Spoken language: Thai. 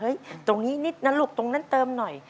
ตรงนี้นิดนะลูกตรงนั้นเติมหน่อย